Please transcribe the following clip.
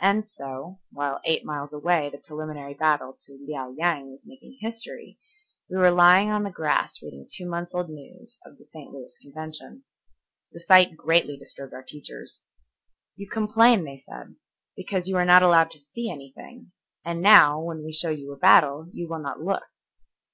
And so, while eight miles away the preliminary battle to Liao Yang was making history, we were lying on the grass reading two months' old news of the St. Louis Convention. The sight greatly disturbed our teachers. "You complain," they said, "because you are not allowed to see anything, and now, when we show you a battle, you will not look."